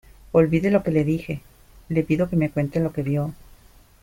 olvide lo que le dije. le pido que me cuente lo que vio,